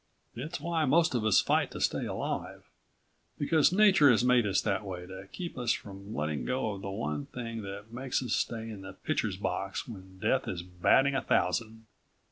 It's why most of us fight to stay alive, because Nature has made us that way to keep us from letting go of the one thing that makes us stay in the pitcher's box when Death is batting a thousand.